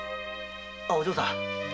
あお嬢さん。